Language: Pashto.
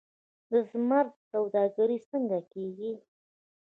د زمرد سوداګري څنګه کیږي؟